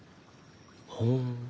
ほん。